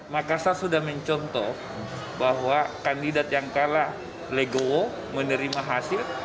makassar sudah mencontoh bahwa kandidat yang kalah legowo menerima hasil